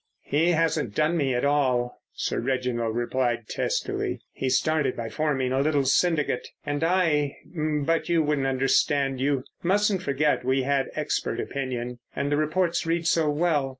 "He hasn't done me at all," Sir Reginald replied testily. "He started by forming a little syndicate, and I—but you wouldn't understand. You mustn't forget we had expert opinion, and the reports read so well.